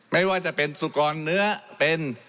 ไม่ว่าจะเป็นสุกรเนื้อเป็น